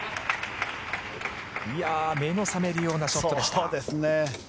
目の覚めるようなショットでした。